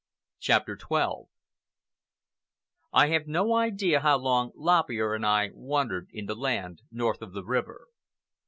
CHAPTER XII I have no idea how long Lop Ear and I wandered in the land north of the river.